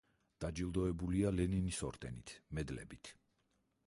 დაჯილდოებულია ლენინის ორდენით, მედლებით.